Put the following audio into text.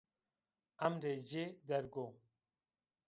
Emrê ci derg o